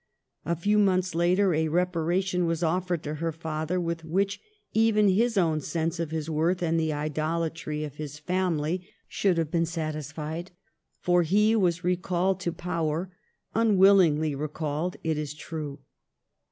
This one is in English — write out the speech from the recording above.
A few months later a reparation was offered to her father with which even his own sense of his worth and the idolatry of his family should have been satis fied ; for he was recalled to power — unwillingly recalled, it is true.